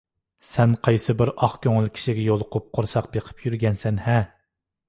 سەن قايسىبىر ئاق كۆڭۈل كىشىگە يولۇقۇپ، قورساق بېقىپ يۈرگەنسەن - ھە!